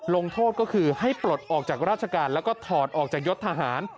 ลงโทษก็คือให้ปลดออกจากราชการแล้วก็ถอดออกจากยศทหาร